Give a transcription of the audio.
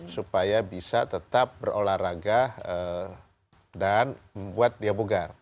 supaya bisa tetap berolahraga dan membuat dia bugar